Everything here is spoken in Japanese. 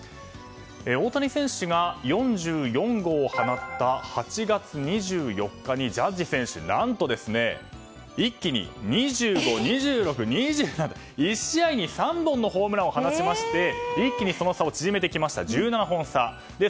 大谷選手が４４号を放った８月２４日にジャッジ選手何と一気に２５、２６、２７と１試合に３本のホームランを放ちまして一気にその差を１７本差に縮めました。